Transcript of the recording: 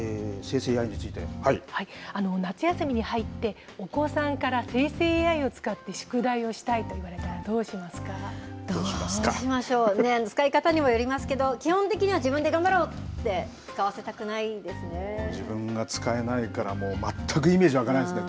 夏休みに入って、お子さんから生成ＡＩを使って宿題をしたいと言われたらどうしまどうしましょう、使い方にもよりますけど、基本的には自分で頑張ろうって、使わせたくないで自分が使えないから、もう全くイメージ湧かないですね。